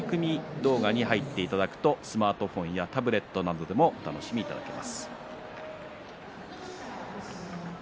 動画に入っていただくとスマートフォンやタブレットでもお楽しみいただけます。